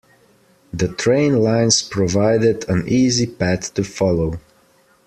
The train lines provided an easy path to follow.